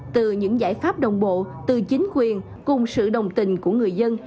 từ những giải pháp đồng bộ từ chính quyền cùng sự đồng tình của người dân